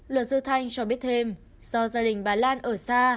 luật sư thanh cho biết thêm do gia đình bà lan ở xa